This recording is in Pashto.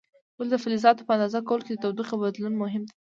ولې د فلزاتو په اندازه کولو کې د تودوخې بدلون مهم دی؟